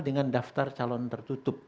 dengan daftar calon tertutup